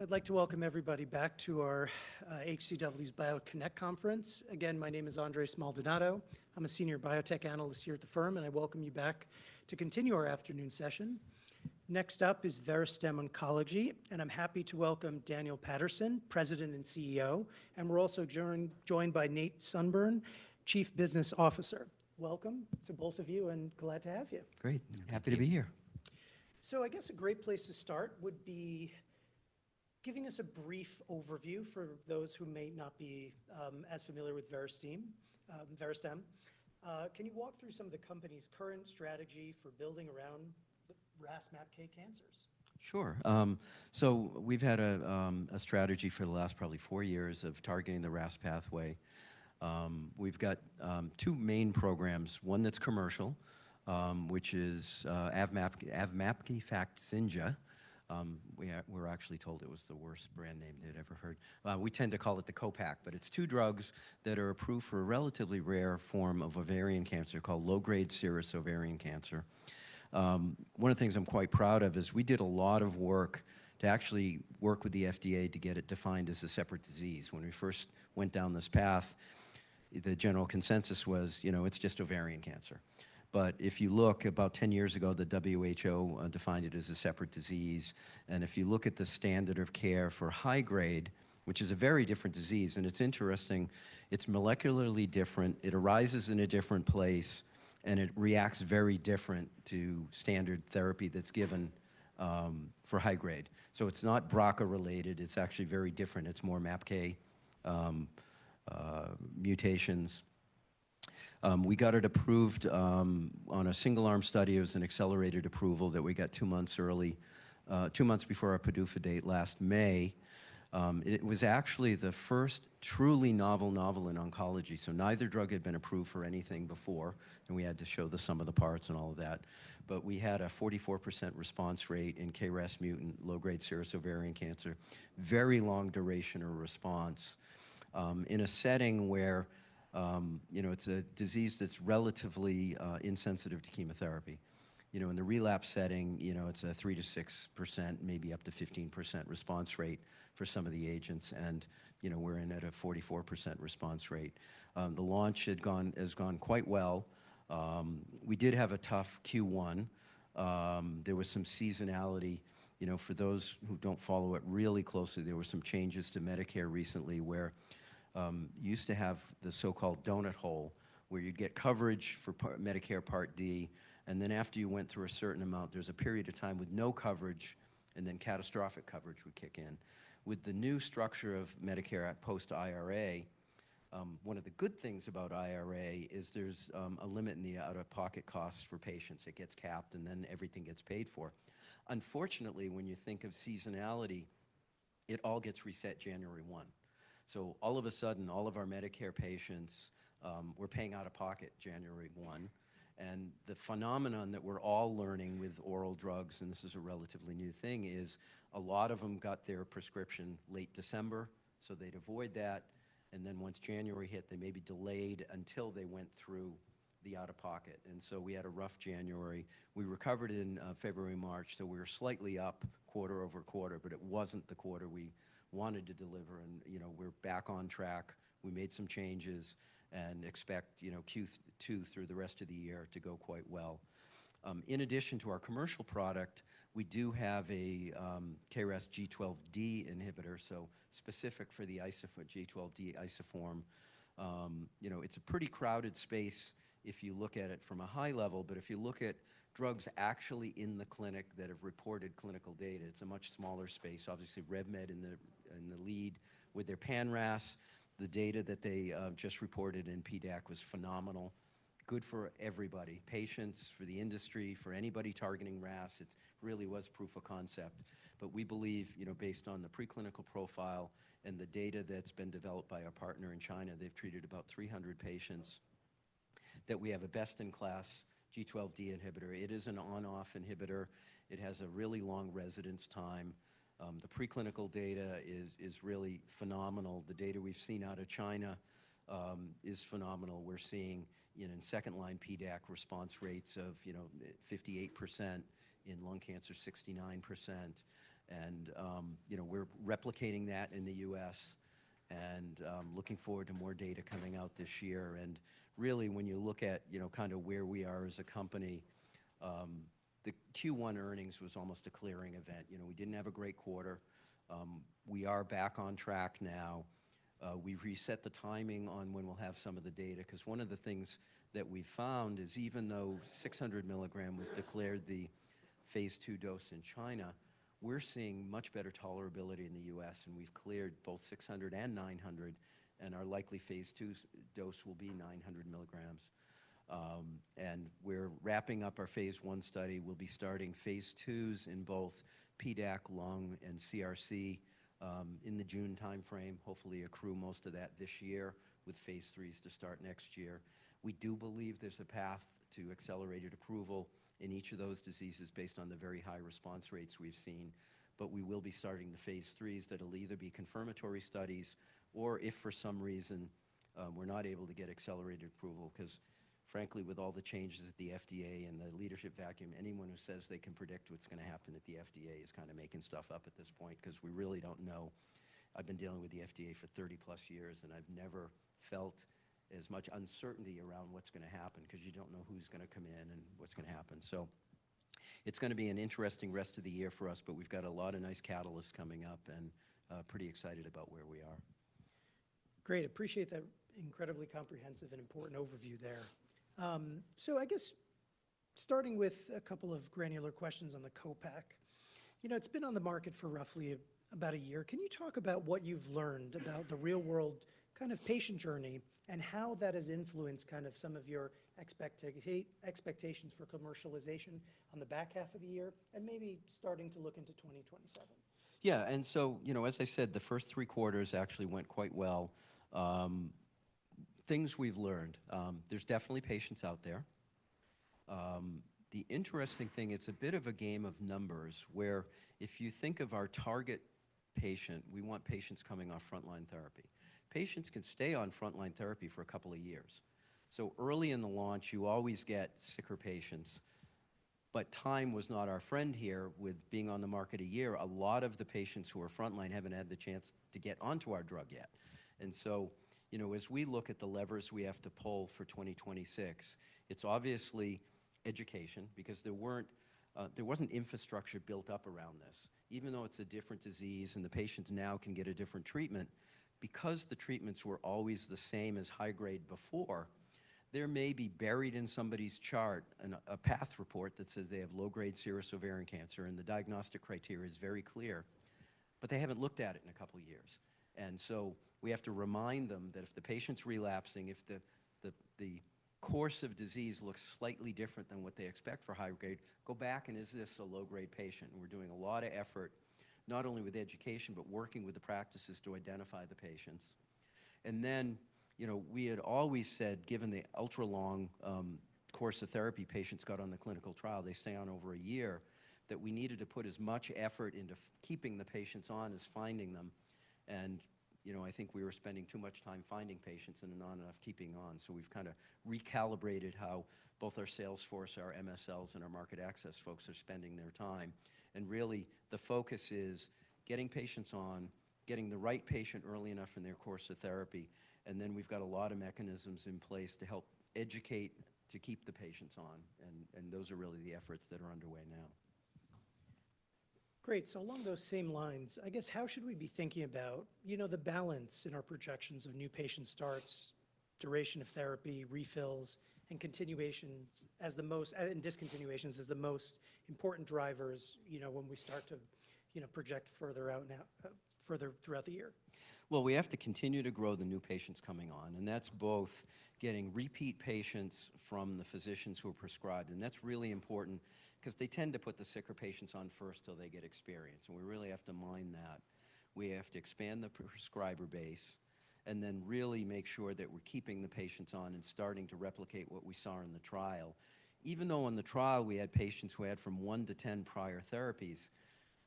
I'd like to welcome everybody back to our H.C. Wainwright's BioConnect conference. Again, my name is Andres Maldonado. I'm a Senior Biotech Analyst here at the firm, and I welcome you back to continue our afternoon session. Next up is Verastem Oncology, and I'm happy to welcome Dan Paterson, President and Chief Executive Officer, and we're also joined by Nate Sanburn, Chief Business Officer. Welcome to both of you, and glad to have you. Great. Happy to be here. I guess a great place to start would be giving us a brief overview for those who may not be as familiar with Verastem. Can you walk through some of the company's current strategy for building around the RAS/MAPK cancers? Sure. We've had a strategy for the last probably four years of targeting the RAS pathway. We've got two main programs, one that's commercial, which is AVMAPKI FAKZYNJA. We're actually told it was the worst brand name they'd ever heard. We tend to call it the CO-PACK, but it's two drugs that are approved for a relatively rare form of ovarian cancer called low-grade serous ovarian cancer. One of the things I'm quite proud of is we did a lot of work to actually work with the FDA to get it defined as a separate disease. When we first went down this path, the general consensus was, you know, it's just ovarian cancer. If you look about 10 years ago, the WHO defined it as a separate disease. If you look at the standard of care for high-grade, which is a very different disease, and it's interesting, it's molecularly different, it arises in a different place, and it reacts very different to standard therapy that's given for high-grade. It's not BRCA related. It's actually very different. It's more MAPK mutations. We got it approved on a single arm study. It was an accelerated approval that we got two months early, two months before our PDUFA date last May. It was actually the first truly novel in oncology, so neither drug had been approved for anything before, and we had to show the sum of the parts and all of that. We had a 44% response rate in KRAS mutant low-grade serous ovarian cancer, very long duration or response, in a setting where, you know, it's a disease that's relatively insensitive to chemotherapy. You know, in the relapse setting, you know, it's a 3%-6%, maybe up to 15% response rate for some of the agents and, you know, we're in at a 44% response rate. The launch has gone quite well. We did have a tough Q1. There was some seasonality. You know, for those who don't follow it really closely, there were some changes to Medicare recently where, used to have the so-called donut hole where you'd get coverage for Medicare Part D, and then after you went through a certain amount, there's a period of time with no coverage, and then catastrophic coverage would kick in. With the new structure of Medicare at post-IRA, one of the good things about IRA is there's a limit in the out-of-pocket costs for patients. It gets capped, and then everything gets paid for. Unfortunately, when you think of seasonality, it all gets reset January 1. All of a sudden, all of our Medicare patients, were paying out of pocket January 1. The phenomenon that we're all learning with oral drugs, and this is a relatively new thing, is a lot of them got their prescription late December, so they'd avoid that, and then once January hit, they may be delayed until they went through the out-of-pocket. We had a rough January. We recovered in February, March, so we were slightly up quarter-over-quarter, but it wasn't the quarter we wanted to deliver and, you know, we're back on track. We made some changes and expect, you know, Q2 through the rest of the year to go quite well. In addition to our commercial product, we do have a KRAS G12D inhibitor, so specific for the G12D isoform. You know, it's a pretty crowded space if you look at it from a high level, but if you look at drugs actually in the clinic that have reported clinical data, it's a much smaller space. Obviously, RevMed in the lead with their pan-RAS. The data that they just reported in PDAC was phenomenal, good for everybody, patients, for the industry, for anybody targeting RAS. It really was proof of concept. We believe, you know, based on the preclinical profile and the data that's been developed by our partner in China, they've treated about 300 patients, that we have a best-in-class G12D inhibitor. It is an on/off inhibitor. It has a really long residence time. The preclinical data is really phenomenal. The data we've seen out of China is phenomenal. We're seeing in second line PDAC response rates of, you know, 58%, in lung cancer, 69%. You know, we're replicating that in the U.S. and looking forward to more data coming out this year. Really when you look at, you know, kind of where we are as a company, the Q1 earnings was almost a clearing event. You know, we didn't have a great quarter. We are back on track now. We've reset the timing on when we'll have some of the data, 'cause one of the things that we found is even though 600 mg was declared the phase II dose in China, we're seeing much better tolerability in the U.S., and we've cleared both 600 and 900, and our likely phase II dose will be 900 mg. We're wrapping up our phase I study. We'll be starting phase IIs in both PDAC, lung, and CRC in the June timeframe, hopefully accrue most of that this year with phase IIIs to start next year. We do believe there's a path to accelerated approval in each of those diseases based on the very high response rates we've seen. We will be starting the phase IIIs that'll either be confirmatory studies or if for some reason we're not able to get accelerated approval because, frankly, with all the changes at the FDA and the leadership vacuum, anyone who says they can predict what's gonna happen at the FDA is kinda making stuff up at this point, 'cause we really don't know. I've been dealing with the FDA for 30-plus years, and I've never felt as much uncertainty around what's gonna happen, 'cause you don't know who's gonna come in and what's gonna happen. It's gonna be an interesting rest of the year for us, but we've got a lot of nice catalysts coming up and pretty excited about where we are. Great. Appreciate that incredibly comprehensive and important overview there. I guess starting with a couple of granular questions on the CO-PACK. You know, it's been on the market for roughly about a year. Can you talk about what you've learned about the real-world kind of patient journey and how that has influenced kind of some of your expectations for commercialization on the back half of the year and maybe starting to look into 2027? Yeah. You know, as I said, the first three quarters actually went quite well. Things we've learned, there's definitely patients out there. The interesting thing, it's a bit of a game of numbers, where if you think of our target patient, we want patients coming off frontline therapy. Patients can stay on frontline therapy for a couple of years. Early in the launch, you always get sicker patients. Time was not our friend here with being on the market a year. A lot of the patients who are frontline haven't had the chance to get onto our drug yet. You know, as we look at the levers we have to pull for 2026, it's obviously education because there weren't, there wasn't infrastructure built up around this. Even though it's a different disease and the patients now can get a different treatment, because the treatments were always the same as high-grade before, there may be buried in somebody's chart a path report that says they have low-grade serous ovarian cancer and the diagnostic criteria is very clear, but they haven't looked at it in a couple of years. We have to remind them that if the patient's relapsing, if the course of disease looks slightly different than what they expect for high-grade, go back and is this a low-grade patient? We're doing a lot of effort, not only with education, but working with the practices to identify the patients. You know, we had always said, given the ultra-long course of therapy patients got on the clinical trial, they stay on over a year, that we needed to put as much effort into keeping the patients on as finding them. You know, I think we were spending too much time finding patients and not enough keeping on. We've kinda recalibrated how both our sales force, our MSLs, and our market access folks are spending their time. The focus is getting patients on, getting the right patient early enough in their course of therapy, then we've got a lot of mechanisms in place to help educate to keep the patients on, and those are really the efforts that are underway now. Great. along those same lines, I guess, how should we be thinking about, you know, the balance in our projections of new patient starts, duration of therapy, refills, and continuations and discontinuations as the most important drivers, you know, when we start to, you know, project further out now, further throughout the year? Well, we have to continue to grow the new patients coming on, and that's both getting repeat patients from the physicians who are prescribed. That's really important 'cause they tend to put the sicker patients on first till they get experience, and we really have to mind that. We have to expand the prescriber base and then really make sure that we're keeping the patients on and starting to replicate what we saw in the trial. Even though in the trial we had patients who had from 1-10 prior therapies,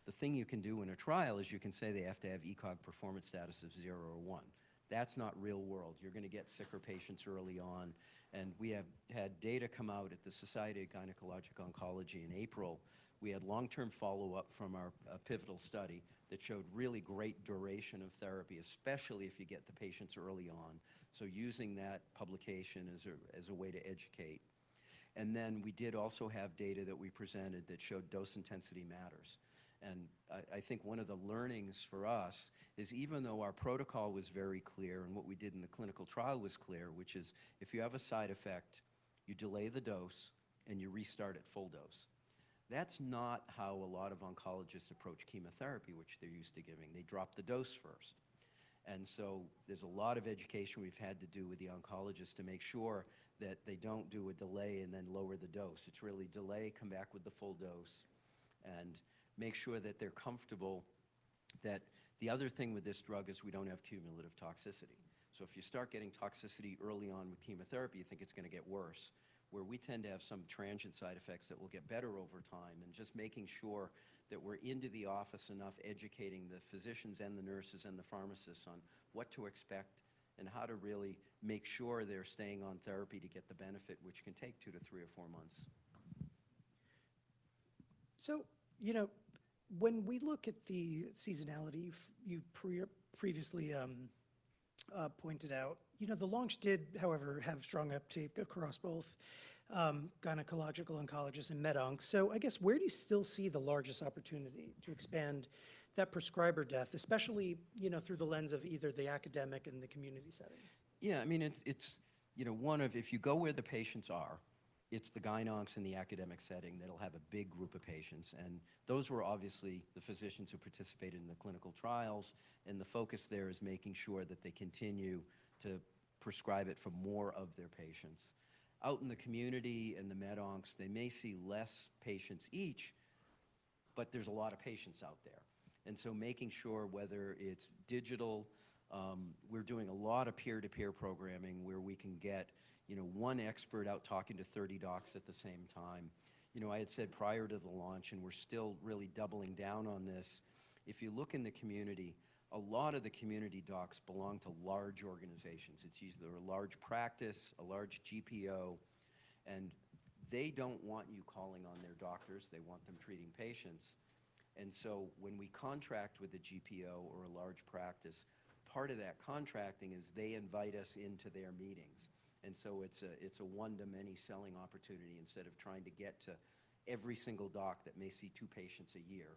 the thing you can do in a trial is you can say they have to have ECOG performance status of zero or one. That's not real world. You're gonna get sicker patients early on. We have had data come out at the Society of Gynecologic Oncology in April. We had long-term follow-up from our pivotal study that showed really great duration of therapy, especially if you get the patients early on. Using that publication as a way to educate. We did also have data that we presented that showed dose intensity matters. I think one of the learnings for us is even though our protocol was very clear and what we did in the clinical trial was clear, which is if you have a side effect, you delay the dose and you restart at full dose. That's not how a lot of oncologists approach chemotherapy, which they're used to giving. They drop the dose first. There's a lot of education we've had to do with the oncologists to make sure that they don't do a delay and then lower the dose. It's really delay, come back with the full dose and make sure that they're comfortable that the other thing with this drug is we don't have cumulative toxicity. If you start getting toxicity early on with chemotherapy, you think it's gonna get worse, where we tend to have some transient side effects that will get better over time and just making sure that we're into the office enough educating the physicians and the nurses and the pharmacists on what to expect and how to really make sure they're staying on therapy to get the benefit, which can take two to three or four months. You know, when we look at the seasonality previously pointed out, you know, the launch did, however, have strong uptake across both gynecologic oncologists and med oncs. I guess, where do you still see the largest opportunity to expand that prescriber depth, especially, you know, through the lens of either the academic and the community settings? Yeah, I mean, it's, you know, one of if you go where the patients are, it's the gyne oncs in the academic setting that'll have a big group of patients. Those were obviously the physicians who participated in the clinical trials, and the focus there is making sure that they continue to prescribe it for more of their patients. Out in the community and the med oncs, they may see less patients each, but there's a lot of patients out there. Making sure whether it's digital, we're doing a lot of peer-to-peer programming where we can get, you know, one expert out talking to 30 docs at the same time. You know, I had said prior to the launch, and we're still really doubling down on this, if you look in the community, a lot of the community docs belong to large organizations. It's either a large practice, a large GPO. They don't want you calling on their doctors. They want them treating patients. When we contract with a GPO or a large practice, part of that contracting is they invite us into their meetings. It's a one-to-many selling opportunity instead of trying to get to every single doc that may see two patients a year.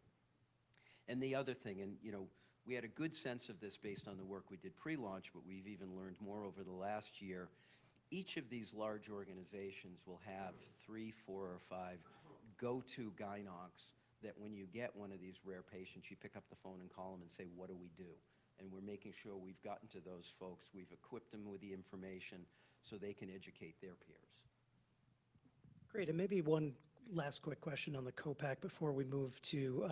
The other thing, you know, we had a good sense of this based on the work we did pre-launch, but we've even learned more over the last year. Each of these large organizations will have three, four or five go-to gyne oncs that when you get one of these rare patients, you pick up the phone and call them and say, "What do we do?" We're making sure we've gotten to those folks. We've equipped them with the information so they can educate their peers. Great. maybe one last quick question on the CO-PACK before we move to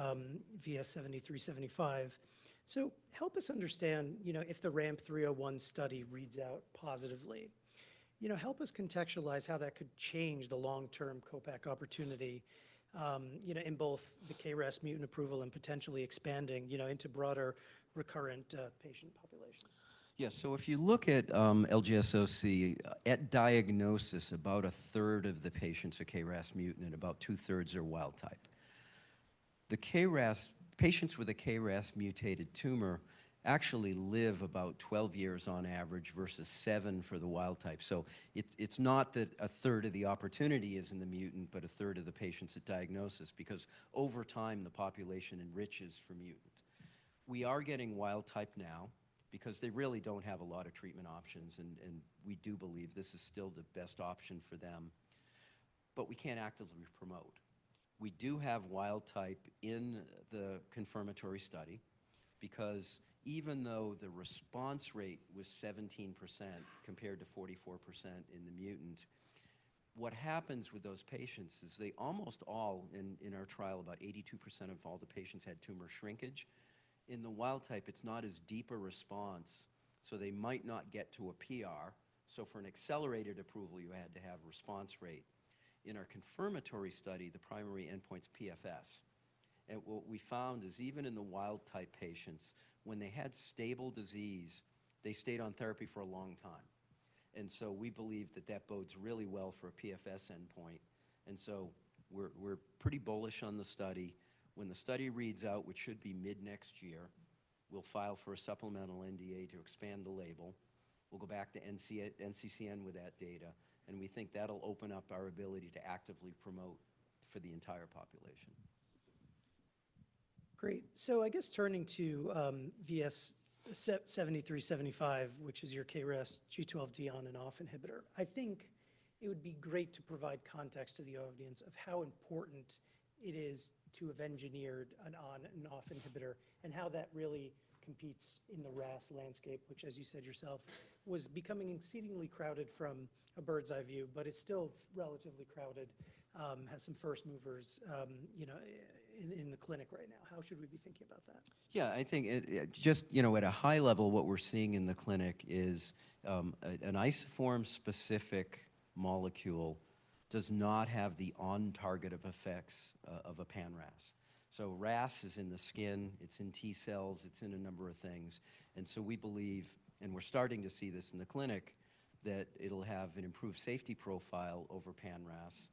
VS-7375. help us understand, you know, if the RAMP 301 study reads out positively. You know, help us contextualize how that could change the long-term CO-PACK opportunity, you know, in both the KRAS mutant approval and potentially expanding, you know, into broader recurrent, patient populations. Yeah. If you look at LGSOC at diagnosis, about a third of the patients are KRAS mutant and about two-thirds are wild type. Patients with a KRAS mutated tumor actually live about 12 years on average versus seven for the wild type. It's not that a third of the opportunity is in the mutant, but a third of the patients at diagnosis, because over time, the population enriches for mutant. We are getting wild type now because they really don't have a lot of treatment options and we do believe this is still the best option for them. We can't actively promote. We do have wild type in the confirmatory study because even though the response rate was 17% compared to 44% in the mutant, what happens with those patients is they almost all, in our trial, about 82% of all the patients had tumor shrinkage. In the wild type, it's not as deep a response, they might not get to a PR. For an accelerated approval, you had to have response rate. In our confirmatory study, the primary endpoint's PFS. What we found is even in the wild type patients, when they had stable disease, they stayed on therapy for a long time. We believe that that bodes really well for a PFS endpoint. We're pretty bullish on the study. When the study reads out, which should be mid-next year, we'll file for a supplemental NDA to expand the label. We'll go back to NCCN with that data. We think that'll open up our ability to actively promote for the entire population. Great. I guess turning to VS-7375, which is your KRAS G12D on/off inhibitor. I think it would be great to provide context to the audience of how important it is to have engineered an on/off inhibitor, and how that really competes in the RAS landscape, which as you said yourself, was becoming exceedingly crowded from a bird's eye view, but it's still relatively crowded. Has some first movers in the clinic right now. How should we be thinking about that? Yeah. I think, you know, at a high level, what we're seeing in the clinic is an isoform-specific molecule does not have the on target effects of a pan-RAS. RAS is in the skin, it's in T cells, it's in a number of things. We believe, and we're starting to see this in the clinic, that it'll have an improved safety profile over pan-RAS.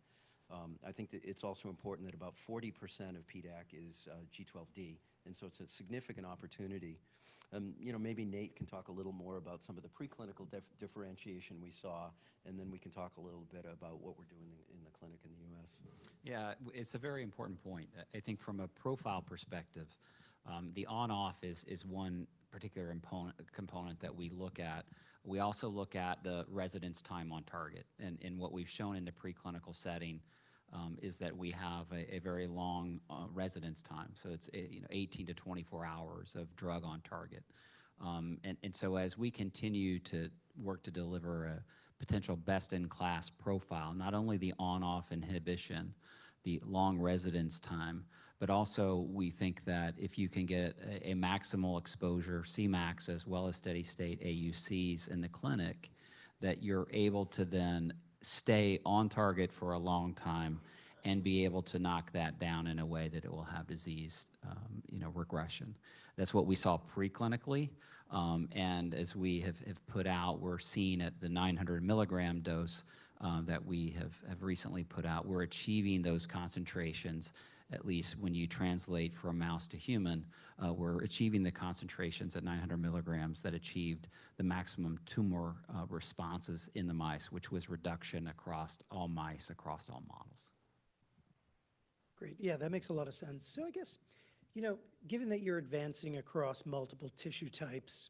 I think that it's also important that about 40% of PDAC is G12D, and so it's a significant opportunity. You know, maybe Nate can talk a little more about some of the preclinical differentiation we saw, and then we can talk a little bit about what we're doing in the clinic in the U.S. It's a very important point. I think from a profile perspective, the on/off is one particular component that we look at. We also look at the residence time on target. What we've shown in the preclinical setting is that we have a very long residence time. It's you know, 18-24 hours of drug on target. As we continue to work to deliver a potential best-in-class profile, not only the on/off inhibition, the long residence time, but also we think that if you can get a maximal exposure Cmax as well as steady-state AUCs in the clinic, that you're able to then stay on target for a long time and be able to knock that down in a way that it will have disease, you know, regression. That's what we saw preclinically. As we have put out, we're seeing at the 900 mg dose that we have recently put out, we're achieving those concentrations, at least when you translate from mouse to human, we're achieving the concentrations at 900 mg that achieved the maximum tumor responses in the mice, which was reduction across all mice, across all models. Great. Yeah, that makes a lot of sense. I guess, you know, given that you're advancing across multiple tissue types,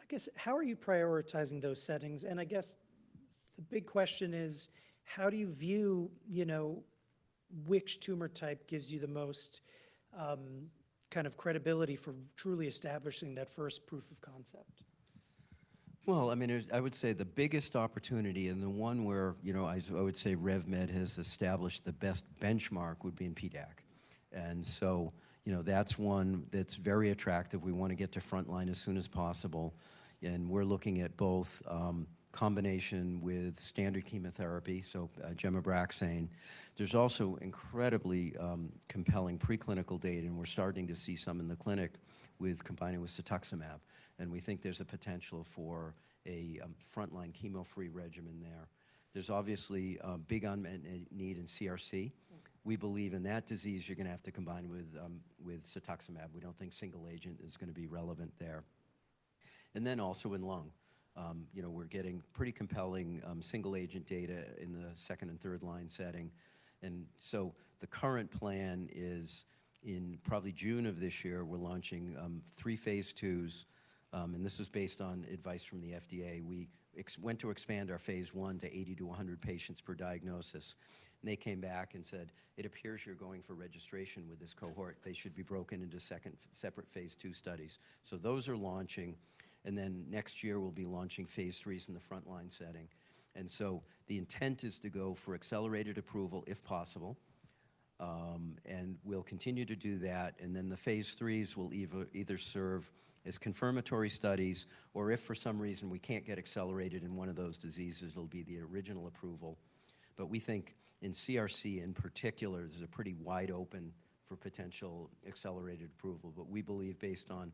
I guess, how are you prioritizing those settings? I guess the big question is, how do you view, you know, which tumor type gives you the most kind of credibility for truly establishing that first proof of concept? Well, I mean, I would say the biggest opportunity and the one where, you know, I would say RevMed has established the best benchmark would be in PDAC. You know, that's one that's very attractive. We wanna get to frontline as soon as possible. We're looking at both, combination with standard chemotherapy, so gemcitabine. There's also incredibly compelling preclinical data, and we're starting to see some in the clinic with combining with cetuximab, and we think there's a potential for a frontline chemo-free regimen there. There's obviously a big unmet need in CRC. We believe in that disease, you're gonna have to combine it with cetuximab. We don't think single agent is gonna be relevant there. Also in lung. You know, we're getting pretty compelling single agent data in the second and third line setting. The current plan is in probably June of this year, we're launching three phase IIs, and this was based on advice from the FDA. We went to expand our phase I to 80 to 100 patients per diagnosis. They came back and said, "It appears you're going for registration with this cohort. They should be broken into separate phase II studies." Those are launching, next year we'll be launching phase IIIs in the frontline setting. The intent is to go for accelerated approval if possible, and we'll continue to do that, and then the phase III will either serve as confirmatory studies, or if for some reason we can't get accelerated in one of those diseases, it'll be the original approval. We think in CRC in particular, there's a pretty wide open for potential accelerated approval. We believe based on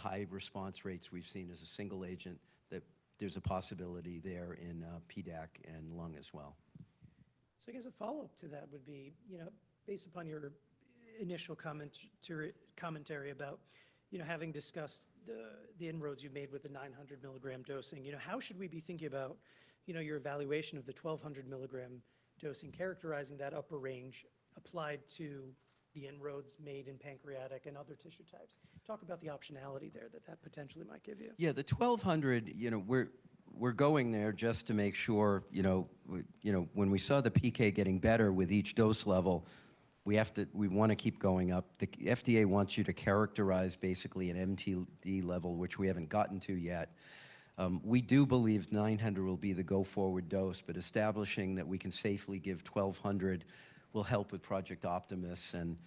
the high response rates we've seen as a single agent that there's a possibility there in PDAC and lung as well. I guess a follow-up to that would be, you know, based upon your initial commentary about, you know, having discussed the inroads you've made with the 900 mg dosing. You know, how should we be thinking about, you know, your evaluation of the 1,200 mg dosing characterizing that upper range applied to the inroads made in pancreatic and other tissue types? Talk about the optionality there that potentially might give you. Yeah. The 1,200, you know, we're going there just to make sure, you know, when we saw the PK getting better with each dose level, we wanna keep going up. The FDA wants you to characterize basically an MTD level, which we haven't gotten to yet. We do believe 900 will be the go forward dose, but establishing that we can safely give 1,200 will help with Project Optimus and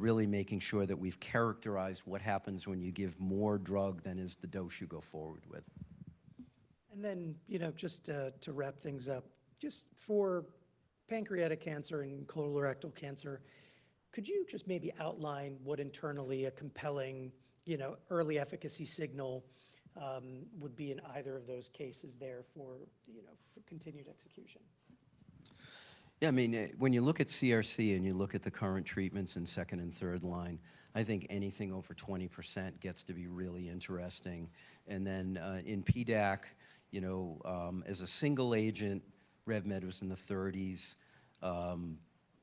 really making sure that we've characterized what happens when you give more drug than is the dose you go forward with. You know, just to wrap things up, just for pancreatic cancer and colorectal cancer, could you just maybe outline what internally a compelling, you know, early efficacy signal would be in either of those cases there for, you know, for continued execution? Yeah, I mean, when you look at CRC and you look at the current treatments in second and third line, I think anything over 20% gets to be really interesting. In PDAC, you know, as a single agent, RevMed was in the 30s.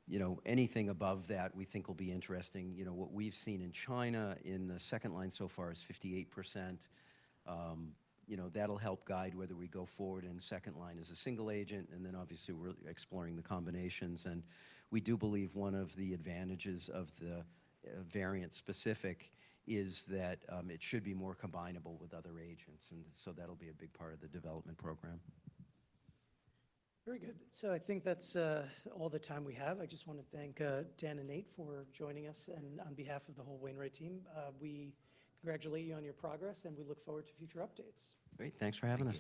You know, anything above that we think will be interesting. You know, what we've seen in China in the second line so far is 58%. You know, that'll help guide whether we go forward in second line as a single agent, and then obviously we're exploring the combinations. We do believe one of the advantages of the variant specific is that it should be more combinable with other agents. That'll be a big part of the development program. Very good. I think that's all the time we have. I just want to thank Dan and Nate for joining us and on behalf of the whole Wainwright team, we congratulate you on your progress and we look forward to future updates. Great. Thanks for having us.